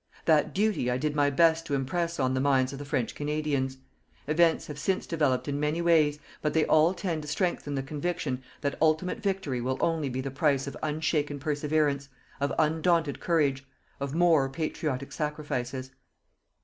That duty I did my best to impress on the minds of the French Canadians. Events have since developed in many ways, but they all tend to strengthen the conviction that ultimate victory will only be the price of unshaken perseverance, of undaunted courage, of more patriotic sacrifices.